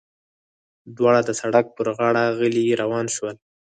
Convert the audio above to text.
دواړه د سړک پر غاړه غلي روان شول.